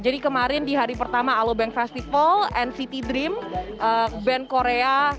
jadi kemarin di hari pertama aloe bank festival nct dream band korea